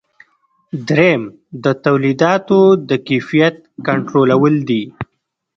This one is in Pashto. دریم د تولیداتو د کیفیت کنټرولول دي.